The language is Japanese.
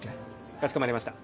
かしこまりました。